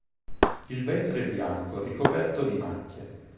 Il ventre è bianco, ricoperto di macchie.